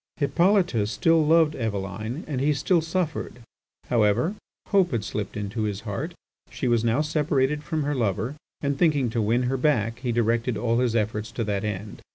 Hippolyte still loved Eveline and he still suffered. However, hope had slipped into his heart. She was now separated from her lover, and, thinking to win her back, he directed all his efforts to that end.